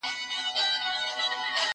دا سندري له هغه خوږه ده!